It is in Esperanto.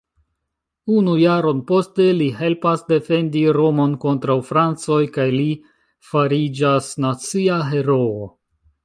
Unu jaron poste li helpas defendi Romon kontraŭ francoj kaj li fariĝas nacia heroo.